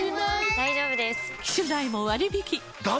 大丈夫です！